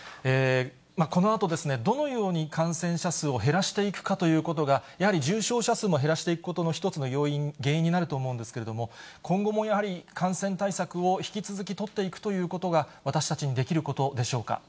このあとですね、どのように感染者数を減らしていくかということが、やはり重症者数を減らしていくことも一つの要因、原因になると思うんですけども、今後もやはり感染対策を引き続き取っていくということが、私たちにできることでしょうか。